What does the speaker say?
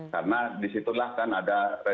karena disitulah kan ada retribusi